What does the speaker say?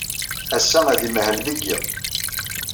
Ass-a, ad imahel deg yiḍ.